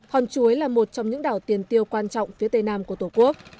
hòn chuối là một trong những đảo tiền tiêu quan trọng phía tây nam của tổ quốc